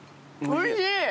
おいしい！